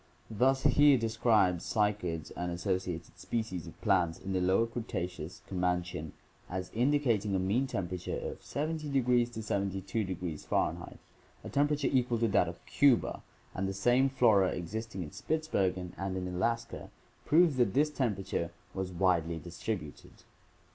Thus Heer describes cycads and associated species of plants in the lower Cretaceous (Comanchian) as indicating a mean temperature of 700 to 720 F. — a temperature equal to that of Cuba — and the same flora existing in Spitsbergen and in Alaska proves that this temperature was widely distributed.